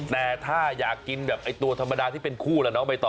แต่ถ้าอยากกินตัวธรรมดาที่เป็นคู่แล้วนะไปต่อ